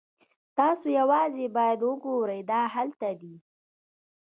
تاسو یوازې باید وګورئ دا هلته دی